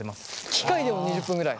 機械でも２０分ぐらい！？